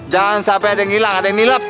jangan sampai ada yang ngilang ada yang nilep